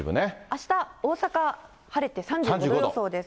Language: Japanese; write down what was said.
あした、大阪、晴れて、３５度予想です。